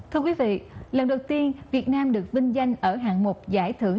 thưa quý vị lần đầu tiên việt nam được vinh danh ở hạng mục giải thưởng